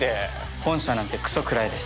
本社なんてくそくらえです。